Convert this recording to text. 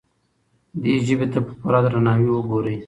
دې ژبې ته په پوره درناوي وګورئ.